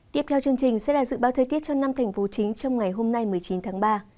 tiếp theo chương trình sẽ là dự báo thời tiết cho năm thành phố chính trong ngày hôm nay một mươi chín tháng ba